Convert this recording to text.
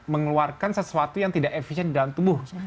mengeluarkan sesuatu yang tidak efisien di dalam tubuh